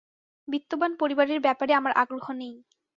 বিত্তবান পরিবারের ব্যাপারে আমার আগ্রহ নেই।